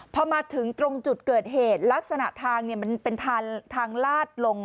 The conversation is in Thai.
พอมาถึงตรงจุดเกิดเหตุลักษณะทางมันเป็นทางลาดลง